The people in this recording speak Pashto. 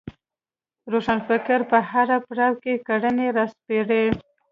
روښانفکر په هر پړاو کې کړنې راسپړي